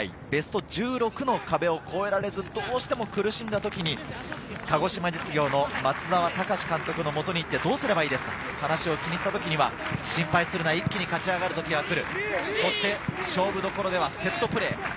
ベスト１６の壁を越えられず、どうしても苦しんだときに、鹿児島実業の松澤隆司監督のもとに行って、どうすればいいですかと話を聞きにいったときに、心配するな、一気に勝ち上がる時が来る、勝負どころではセットプレー。